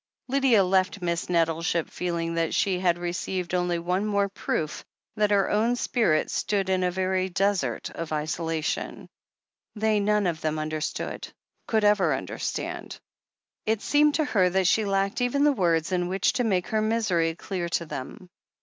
Lydia left Miss Nettleship feeling that she had re ceived only one more proof that her own spirit stood in a very desert of isolation. They none of them under stood — could ever understand! It seemed to her that she lacked even the words in which to make her misery clear to them.